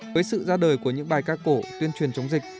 với sự ra đời của những bài ca cổ tuyên truyền chống dịch